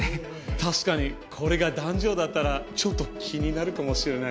確かにこれが男女だったらちょっと気になるかもしれない。